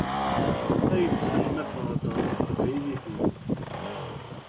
Ay-ṭfen ma fɣeɣ-d ɣef teqbaylit-iw.